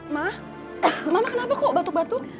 ma mama kenapa kok batuk batuk